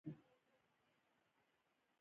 دا پوله ساتونکي نلري.